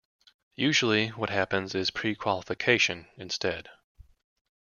Usually, what happens is pre-qualification, instead.